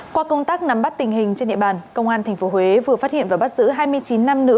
qua công tác nắm bắt tình hình trên địa bàn công an tp huế vừa phát hiện và bắt giữ hai mươi chín nam nữ